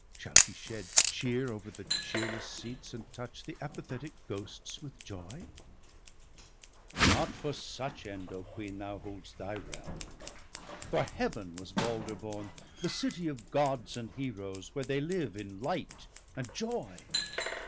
Shall he shed cheer over the cheerless seats, And touch the apathetic ghosts with joy ?— Not for such end, O queen, thou hold'st thy realm. For Heaven was Balder born, the city of Gods And Heroes, where they live in light and joy.